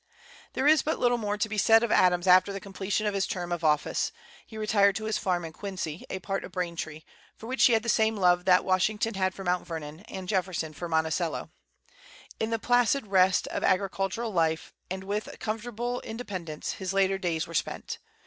There is but little more to be said of Adams after the completion of his term of office. He retired to his farm in Quincy, a part of Braintree, for which he had the same love that Washington had for Mount Vernon, and Jefferson for Monticello. In the placid rest of agricultural life, and with a comfortable independence, his later days were spent.